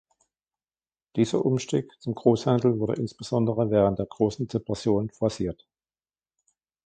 Dieser Umstieg zum Großhandel wurde insbesondere während der Großen Depression forciert.